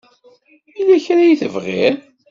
Yella kra ay tebɣiḍ?